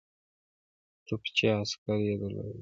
توپچي عسکر یې درلودل.